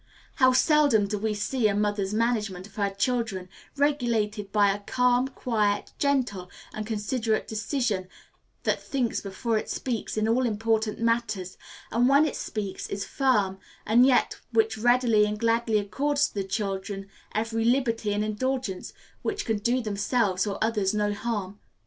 How seldom do we see a mother's management of her children regulated by a calm, quiet, gentle, and considerate decision that thinks before it speaks in all important matters, and when it speaks, is firm; and yet, which readily and gladly accords to the children every liberty and indulgence which can do themselves or others no harm.